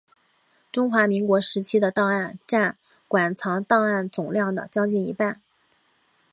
中华民国时期的档案占馆藏档案总量的将近一半。